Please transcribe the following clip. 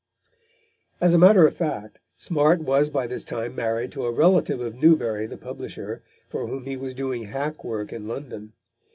As a matter of fact, Smart was by this time married to a relative of Newbery, the publisher, for whom he was doing hack work in London.